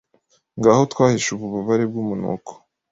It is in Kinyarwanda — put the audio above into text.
Ngaho twahishe ububabare bw'umunuko